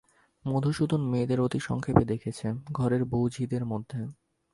মধুসূদন মেয়েদের অতি সংক্ষেপে দেখেছে ঘরের বউঝিদের মধ্যে।